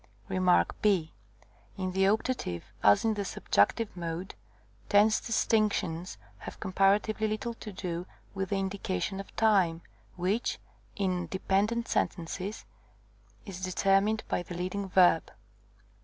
Rem. b. In the optative as in the subjunctive mode, tense distinctions have comparatively little to do with the indication of time, which, in dependent sentences, is determined by the leading verb.